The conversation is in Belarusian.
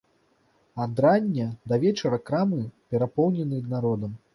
Ад рання да вечара крамы перапоўнены народам.